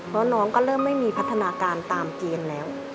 แล้วน้องก็เริ่มไม่มีพัฒนาการตามเกณฑ์แล้ว